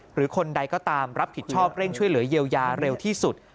หรือคนใดก็ตามรับผิดชอบเร่งช่วยเหลือเยียวยาเร็วที่สุด